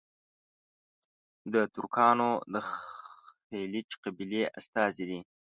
د ترکانو د خیلیچ قبیلې استازي دي.